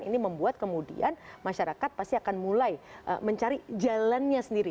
ini membuat kemudian masyarakat pasti akan mulai mencari jalannya sendiri